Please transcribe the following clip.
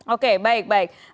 oke baik baik